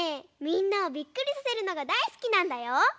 みんなをびっくりさせるのがだいすきなんだよ。